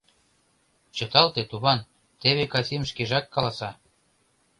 Чыталте, туван, теве Касим шкежак каласа.